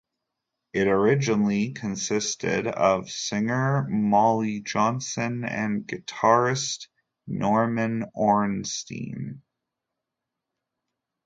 It originally consisted of singer Molly Johnson and guitarist Norman Orenstein.